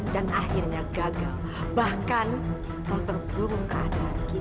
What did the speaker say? dan akhirnya gagal bahkan memperburuk keadaan kita